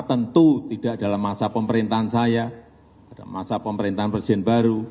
tentu tidak dalam masa pemerintahan saya ada masa pemerintahan presiden baru